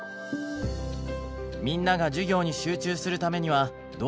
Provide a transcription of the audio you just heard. みんなが授業に集中するためにはどうすればよいのか